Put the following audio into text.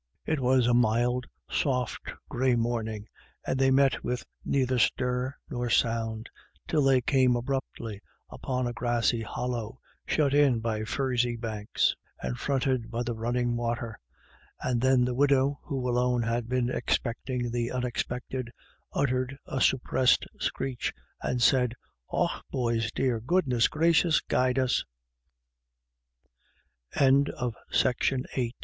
It was a mild, soft, grey morn ing, and they met with neither stir nor sound, till they came abruptly upon a grassy hollow, shut in by f urzy banks, and fronted by the running water ; and then the widow, who alone had been expect ing the unexpected, uttered a suppressed screech, and said: "Och boys dear, goodness graciou